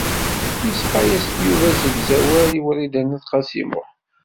Yesɣa-as-d Yuba asegzawal i Wrida n At Qasi Muḥ.